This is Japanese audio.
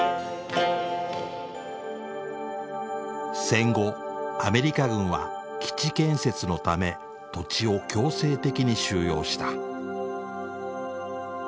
戦後アメリカ軍は基地建設のため土地を強制的に収用した。